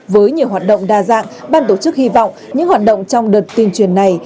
với nhiều hoạt động đa dạng ban tổ chức hy vọng những hoạt động trong đợt tuyên truyền này